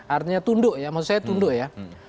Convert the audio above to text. artinya tunduk ya maksud saya tunduk ya